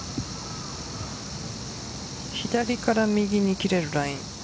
左から右に切れるライン。